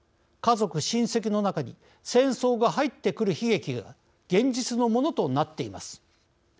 家族親戚の中に戦争が入ってくる悲劇は現実のものとなっています。